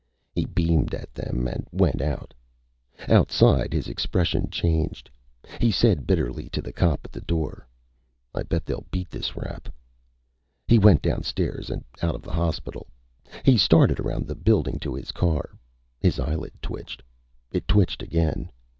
He beamed at them and went out. Outside, his expression changed. He said bitterly to the cop at the door: "I bet they beat this rap!" He went downstairs and out of the hospital. He started around the building to his car. His eyelid twitched. It twitched again.